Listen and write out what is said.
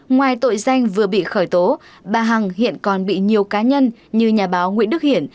ngoài tội danh vừa bị khởi tố bà hằng hiện còn bị nhiều cá nhân như nhà báo nguyễn đức hiển